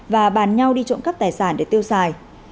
và bàn nhau đi trộm cắp tài sản để tiêu xài